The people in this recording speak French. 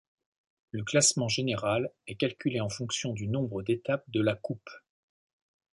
Le classement général est calculé en fonction du nombre d'étapes de la coupe.